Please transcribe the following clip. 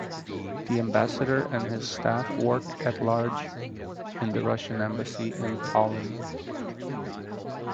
The ambassador and his staff work at large in the Russian embassy in Tallinn.